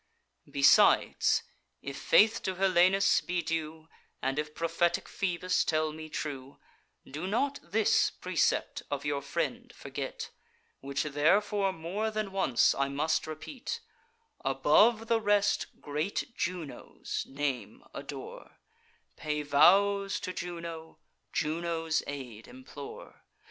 "'Besides, if faith to Helenus be due, And if prophetic Phoebus tell me true, Do not this precept of your friend forget, Which therefore more than once I must repeat: Above the rest, great Juno's name adore; Pay vows to Juno; Juno's aid implore.